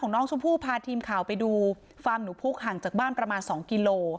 น้องชมพู่พาทีมข่าวไปดูฟาร์มหนูพุกห่างจากบ้านประมาณ๒กิโล